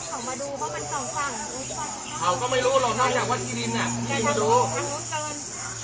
อาวุธก็ไม่รู้ว่าที่นิดหน่า